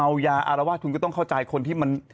แล้วว่าคุณก็ต้องเข้าใจคนที่มัน